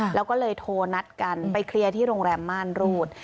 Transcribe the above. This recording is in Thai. แล้วก็เลยโทรนัดกันไปเคลียร์ที่โรงแรมม่านรูด